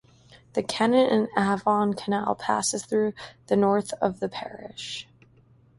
The Kennet and Avon canal passes through the north of the parish.